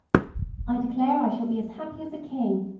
"I declare I shall be as happy as a king.